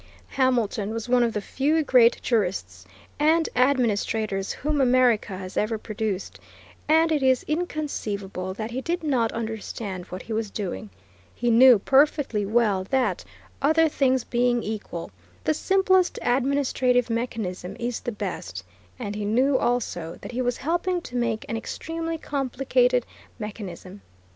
Hamilton was one of the few great jurists and administrators whom America has ever produced, and it is inconceivable that he did not understand what he was doing. He knew perfectly well that, other things being equal, the simplest administrative mechanism is the best, and he knew also that he was helping to make an extremely complicated mechanism.